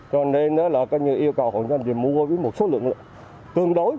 cho nên đó là có nhiều yêu cầu của người dân để mua với một số lượng tương đối